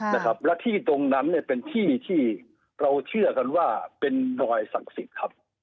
นะครับและที่ตรงนั้นเนี่ยเป็นที่ที่เราเชื่อกันว่าเป็นรอยศักดิ์สิทธิ์ครับ